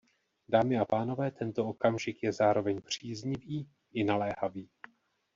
Dámy a pánové, tento okamžik je zároveň příznivý i naléhavý.